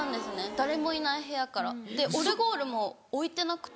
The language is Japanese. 誰もいない部屋からでオルゴールも置いてなくて。